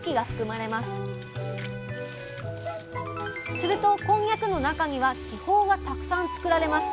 するとこんにゃくの中には気泡がたくさん作られます。